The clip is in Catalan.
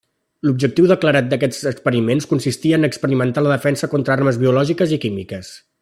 L'objectiu declarat d'aquests experiments consistia a experimentar la defensa contra armes biològiques i químiques.